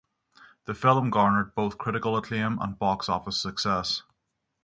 The film garnered both critical acclaim and box office success.